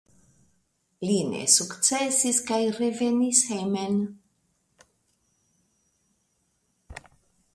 Li ne sukcesis kaj revenis hejmen.